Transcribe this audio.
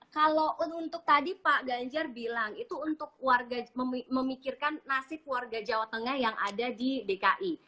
kalau untuk tadi pak ganjar bilang itu untuk warga memikirkan nasib warga jawa tengah yang ada di dki